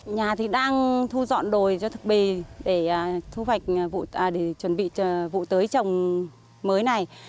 nhà thì đang thu dọn đồi cho thực bề để chuẩn bị vụ tới trồng mới này